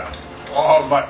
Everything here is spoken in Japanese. ああうまい。